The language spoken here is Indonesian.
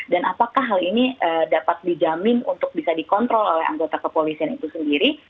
dan apakah hal ini dapat dijamin untuk bisa dikontrol oleh anggota kepolisian itu sendiri